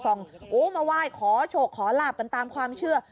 โอ้โหมาไหว้ขอโชคขอลาบกันตามความเชื่อ